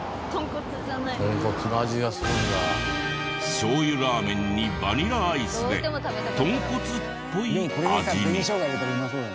しょう油ラーメンにバニラアイスで豚骨っぽい味に。